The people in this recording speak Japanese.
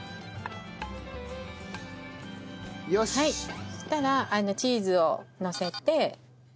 そしたらチーズをのせて。